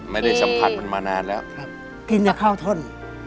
ไม่ได้สัมผัสมันมานานแล้วกินแต่ข้าวท่อน